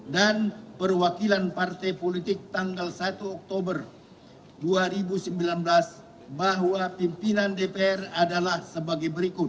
dan perwakilan partai politik tanggal satu oktober dua ribu sembilan belas bahwa pimpinan dpr adalah sebagai berikut